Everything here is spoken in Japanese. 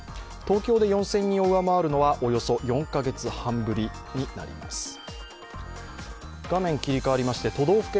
東京で４０００人を上回るのはおよそ４カ月半ぶりになります。